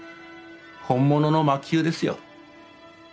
本物の魔宮ですよ。